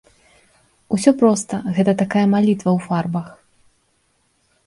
Усё проста, гэта такая малітва ў фарбах.